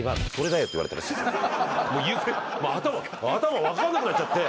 頭分かんなくなっちゃって。